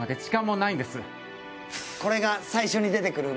これが最初に出て来る